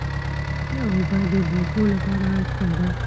اوبه د بوټو لپاره اړتیا ده.